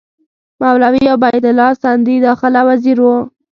مولوي عبیدالله سندي داخله وزیر وو.